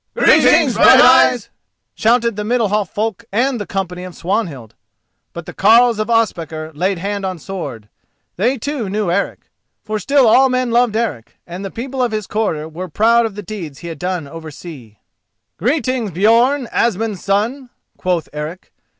"Greetings, Brighteyes!" shouted the Middalhof folk and the company of Swanhild; but the carles of Ospakar laid hand on sword—they too knew Eric. For still all men loved Eric, and the people of his quarter were proud of the deeds he had done oversea. "Greeting, Björn, Asmund's son!" quoth Eric.